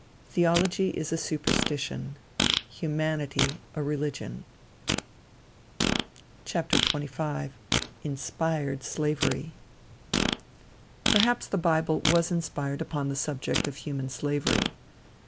Theology is a superstition Humanity a religion. XXV. "INSPIRED" SLAVERY Perhaps the bible was inspired upon the subject of human slavery.